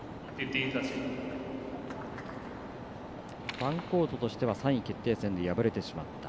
ファンコートとしては３位決定戦で敗れてしまった。